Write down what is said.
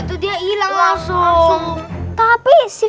waktu itu dia ilang langsung